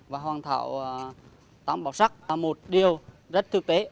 và hoàn thảo tám bảo sắc là một điều rất thực tế